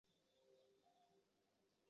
土壤属上沙溪庙组的灰棕紫泥土。